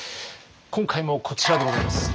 今回もこちらでございます！